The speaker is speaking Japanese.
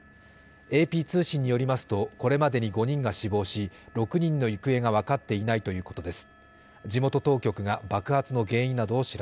ＡＰ通信によりますとこれまでに５人が死亡し６人の行方が分かっていないということです。